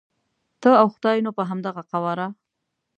ته او خدای نو په همدغه قواره.